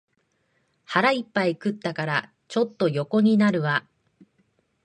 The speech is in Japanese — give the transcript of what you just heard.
腹いっぱい食ったから、ちょっと横になるわ